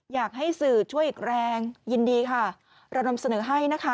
อยากให้สื่อช่วยอีกแรงยินดีค่ะเรานำเสนอให้นะคะ